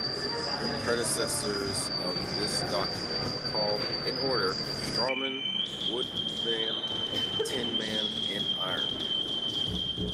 The predecessors of this document were called, in order, "Strawman", "Woodenman", "Tinman" and "Ironman".